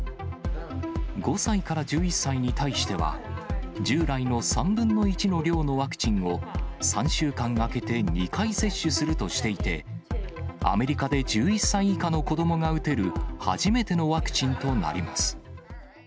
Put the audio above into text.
５歳から１１歳に対しては、従来の３分の１の量のワクチンを、３週間空けて２回接種するとしていて、アメリカで１１歳以下の子どもが打てる初めてのワクチンとなります。